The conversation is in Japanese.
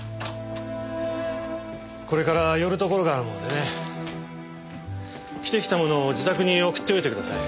これから寄るところがあるもんでね。着てきたものを自宅に送っておいてください。